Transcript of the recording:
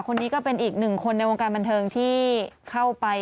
คนนี้ก็เป็นอีกหนึ่งคนในวงการบันเทิงที่เข้าไป